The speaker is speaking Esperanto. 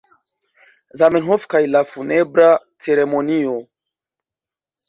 Zamenhof kaj la Funebra Ceremonio.